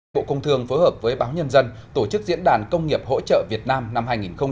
bộ công thường phối hợp với báo nhân dân tổ chức diễn đàn công nghiệp hỗ trợ việt nam năm hai nghìn một mươi chín